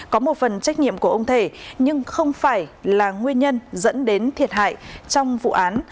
có một phần trách nhiệm của ông thể nhưng không phải là nguyên nhân dẫn đến thiệt hại trong vụ án